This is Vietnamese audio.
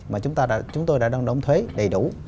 mà chúng tôi đã đồng thuế đầy đủ